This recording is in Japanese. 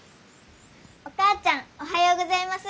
お母ちゃんおはようございます。